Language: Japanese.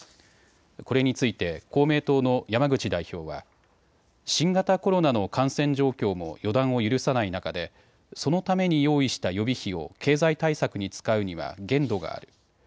これについて公明党の山口代表は新型コロナの感染状況も予断を許さない中でそのために用意した予備費を経済対策に使うには限度がある。